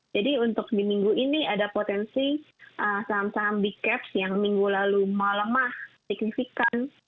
jadi untuk di minggu ini ada potensi saham saham big caps yang minggu lalu malamah signifikan